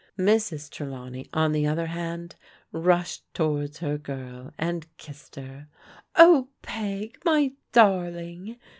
Mrs. Trelawney, on the other hand, rushed towards her girl, and kissed her. Oh, Peg, my darling